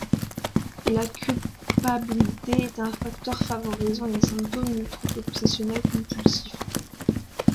La culpabilité est un facteur favorisant les symptômes du trouble obsessionnel compulsif.